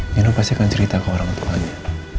nino pasti akan cerita ke orang tuanya